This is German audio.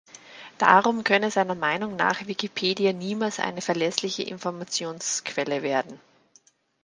Darum könne seiner Meinung nach Wikipedia niemals eine verlässliche Informationsquelle werden.